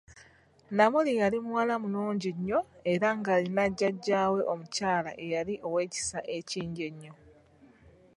Namuli yali muwala mulungi nnyo era ng'alina jjaja we omukyala eyali ow'ekisa ekingi ennyo.